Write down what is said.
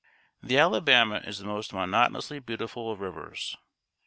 _ The Alabama is the "most monotonously beautiful of rivers."